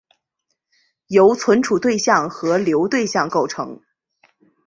由存储对象和流对象构成。